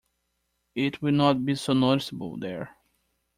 It will not be so noticeable there.